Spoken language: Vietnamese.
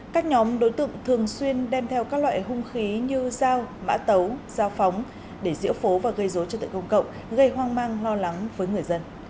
các nhóm đối tượng thường xuyên đem theo các loại hung khí như dao mã tấu dao phóng để diễu phố và gây dối trật tự công cộng gây hoang mang lo lắng với người dân